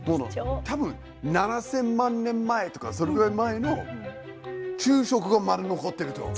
多分７，０００万年前とかそれぐらい前の昼食がまだ残ってると。